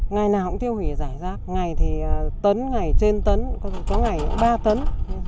ngày nào cũng tiêu hủy giải rác ngày thì tấn ngày trên tấn có ngày ba tấn